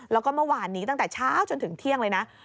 แล้วก็เมื่อวานนี้ตั้งแต่เช้าจนถึงเที่ยงเลยนะ